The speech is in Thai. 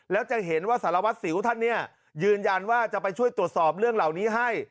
แล้วจะเห็นว่าสารวัตรสิวท่านเนี่ยยืนยันว่าจะไปช่วยตรวจสอบเรื่องเหล่านี้ให้